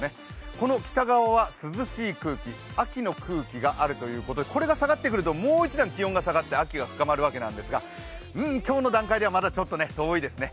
この北側は涼しい空気、秋の空気があるということでこれが下がってくるともう一段気温が下がって秋が深まってくるわけなんですが今日の段階ではまだ遠いですね。